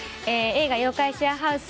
映画「妖怪シェアハウス」